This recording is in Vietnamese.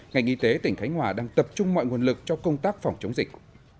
ngành y tế tỉnh khánh hòa đang tập trung mọi nguồn lực cho công tác phòng chống dịch